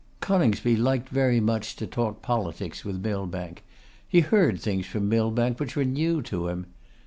Coningsby liked very much to talk politics with Millbank. He heard things from Millbank which were new to him.